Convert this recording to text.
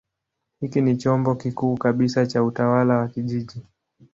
Hiki ni chombo kikuu kabisa cha utawala wa kijiji.